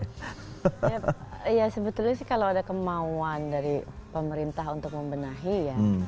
ya sebetulnya sih kalau ada kemauan dari pemerintah untuk membenahi ya